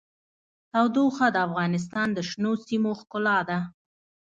تودوخه د افغانستان د شنو سیمو ښکلا ده.